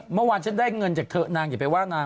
เมื่อวานฉันได้เงินจากเธอนางอย่าไปว่านาง